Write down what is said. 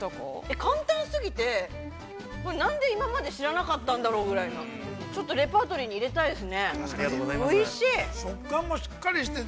◆簡単すぎて何で今まで知らなかったんだろうぐらいな、ちょっとレパートリーに入れたいですね。